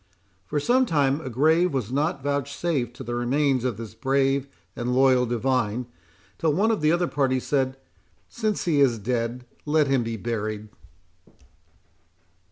For some time a grave was not vouchsafed to the remains of this brave and loyal divine, till one of the other party said, "Since he is dead, let him be buried."